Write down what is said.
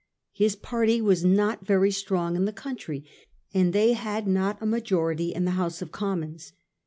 His party were not very strong in the country, and they had not a majority in the House of Commons.